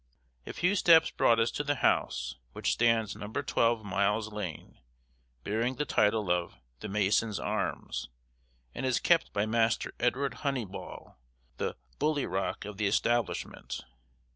A few steps brought us to the house, which stands No. 12 Miles Lane, bearing the title of The Mason's Arms, and is kept by Master Edward Honeyball, the "bully rock" of the establishment.